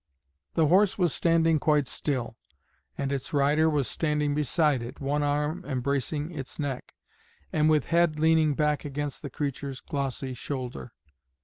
The horse was standing quite still, and its rider was standing beside it, one arm embracing its neck, and with head leaning back against the creature's glossy shoulder.